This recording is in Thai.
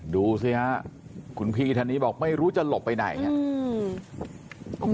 ดูสิฮะคุณพี่ท่านนี้บอกไม่รู้จะหลบไปไหนครับ